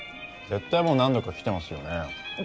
絶対もう何度か来てますよね？